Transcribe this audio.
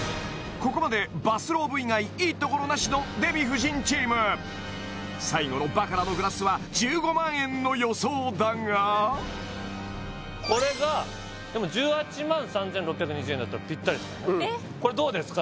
ここまでバスローブ以外いいところなしのデヴィ夫人チーム最後のバカラのグラスは１５万円の予想だがこれがでも１８万３６２０円だったらぴったりですからねえっこれどうですか？